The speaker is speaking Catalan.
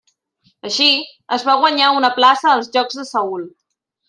Així, es va guanyar una plaça als Jocs de Seül.